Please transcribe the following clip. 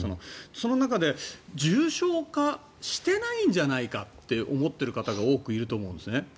その中で重症化してないんじゃないかって思っている方が多くいると思うんですね。